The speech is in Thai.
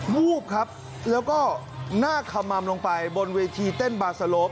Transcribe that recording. วูบครับแล้วก็หน้าคำอำลังไปบนเวทีเต้นบาร์สะลบ